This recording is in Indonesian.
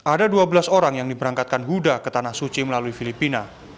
ada dua belas orang yang diberangkatkan huda ke tanah suci melalui filipina